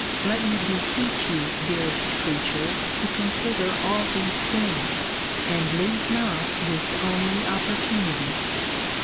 Let me beseech you, dearest creature, to consider all these things; and lose not this only opportunity.